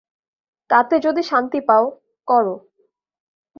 তাতে যদি শান্তি পাও, কর।